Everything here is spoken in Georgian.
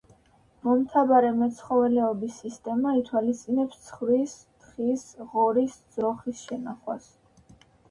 მომთაბარე მეცხოველეობის სისტემა ითვალისწინებს ცხვრის, თხის, ღორის, ძროხის შენახვას.